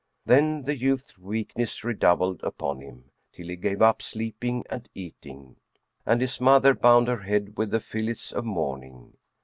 Then the youth's weakness redoubled upon him, till he gave up sleeping and eating, and his mother bound her head with the fillets of mourning.